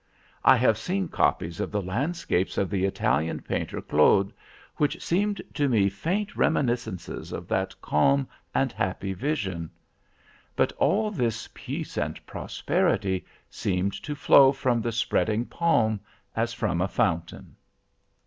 I have seen copies of the landscapes of the Italian painter Claude which seemed to me faint reminiscences of that calm and happy vision. But all this peace and prosperity seemed to flow from the spreading palm as from a fountain.